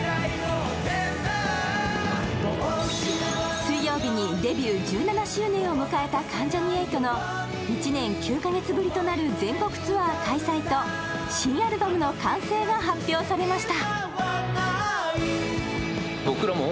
水曜日にデビュー１７周年を迎えた関ジャニ∞の１年９カ月ぶりとなる全国ツアー再開と新アルバムの完成が発表されました。